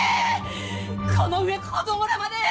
この上子供らまで！